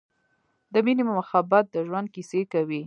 د مینې مخبت د ژوند کیسې کوی